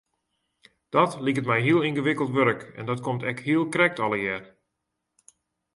Dat liket my heel yngewikkeld wurk en dat komt ek heel krekt allegear.